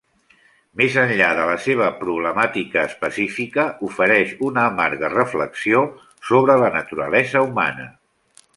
Més enllà de la seva problemàtica específica, ofereix una amarga reflexió sobre la naturalesa humana.